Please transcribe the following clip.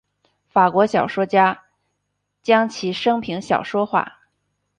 法国小说家将其生平小说化。